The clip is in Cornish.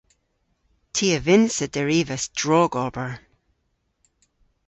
Ty a vynnsa derivas drogober.